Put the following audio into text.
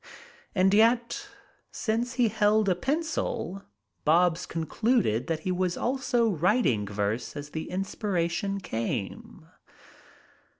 And yet, since he held a pencil, Bobs concluded that he was also writing verse as the inspiration came.